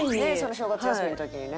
正月休みの時にね。